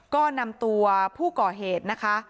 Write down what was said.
ก็นำตัวผู้ก่อเหตุนะคะ